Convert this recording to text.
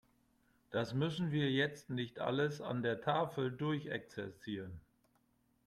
Das müssen wir jetzt nicht alles an der Tafel durchexerzieren.